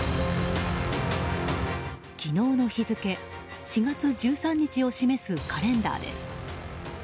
昨日の日付、４月１３日を示すカレンダーです。